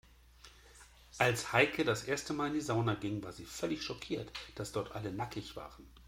Als Heike das erste Mal in die Sauna ging, war sie völlig schockiert, dass dort alle nackig waren.